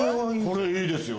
これいいですよ。